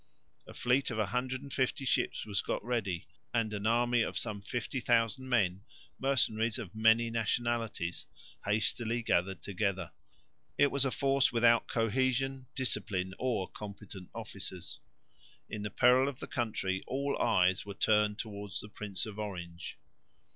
A fleet of 150 ships was got ready and an army of some 50,000 men, mercenaries of many nationalities, hastily gathered together. It was a force without cohesion, discipline or competent officers. In the peril of the country all eyes were turned towards the Prince of Orange.